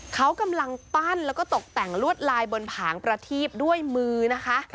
เขากำลังปั้นแล้วก็ตกแต่งลวดลายบนผางประทีบด้วยมือนะคะ